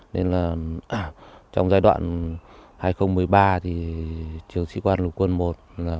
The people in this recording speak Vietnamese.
nên là trong giai đoạn hai nghìn một mươi ba thì trường sĩ quan lục quân i